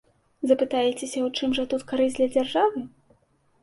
Запытаецеся, у чым жа тут карысць для дзяржавы?